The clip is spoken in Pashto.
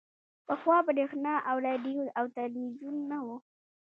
پخوا برېښنا او راډیو او ټلویزیون نه وو